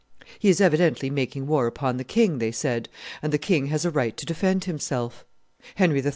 He is evidently making war upon the king, they said; and the king has a right to defend himself. Henry III.